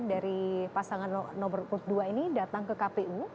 dari pasangan nomor urut dua ini datang ke kpu